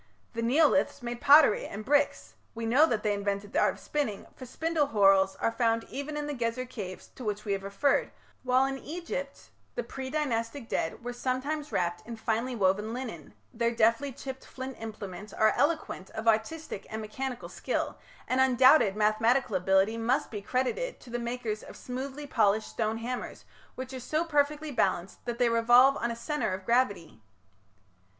The Neoliths made pottery and bricks; we know that they invented the art of spinning, for spindle whorls are found even in the Gezer caves to which we have referred, while in Egypt the pre Dynastic dead were sometimes wrapped in finely woven linen: their deftly chipped flint implements are eloquent of artistic and mechanical skill, and undoubted mathematical ability must be credited to the makers of smoothly polished stone hammers which are so perfectly balanced that they revolve on a centre of gravity.